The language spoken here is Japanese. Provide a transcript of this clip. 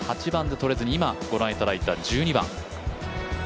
８番でとれずに、今、御覧いただいた１２番。